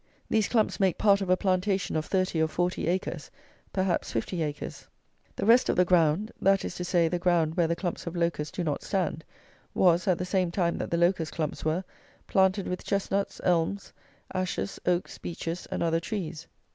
These clumps make part of a plantation of 30 or forty acres, perhaps 50 acres. The rest of the ground; that is to say, the ground where the clumps of Locusts do not stand, was, at the same time that the Locust clumps were, planted with chestnuts, elms, ashes, oaks, beeches, and other trees.